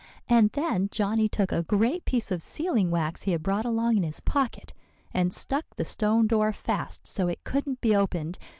And then Johnny took a great piece of sealing wax he had brought along in his pocket, and stuck the stone door fast so it couldn't be opened.